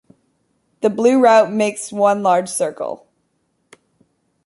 The Blue Route makes one large circle.